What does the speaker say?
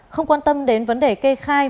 không quan tâm đến vấn đề kê khai